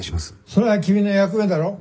「それは君の役目だろう。